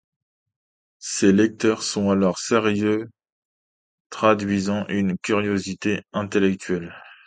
Ses lectures sont alors sérieuses traduisant une curiosité intellectuelle.